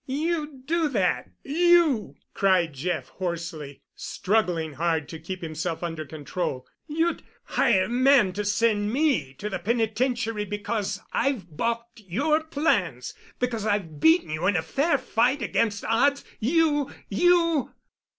"You'd do that—you?" cried Jeff, hoarsely, struggling hard to keep himself under control. "You'd hire men to send me to the penitentiary because I've balked your plans—because I've beaten you in a fair fight against odds;—_you?—you?